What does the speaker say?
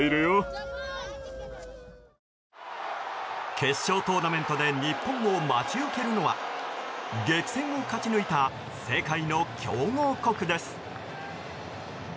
決勝トーナメントで日本を待ち受けるのは激戦を勝ち抜いた世界の強豪国です。